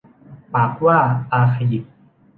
ปากว่าตาขยิบ